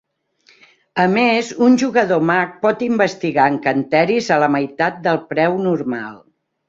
A més, un jugador mag pot investigar encanteris a la meitat del preu normal.